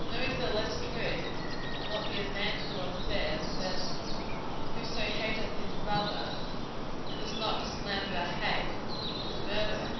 Nor is there less of truth in what the evangelist says, that "whoso hateth his brother" (and does not a slanderer hate?) "is a murderer."